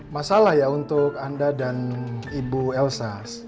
masalah ya untuk anda dan ibu elsa